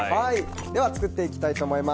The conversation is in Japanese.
では作っていきたいと思います。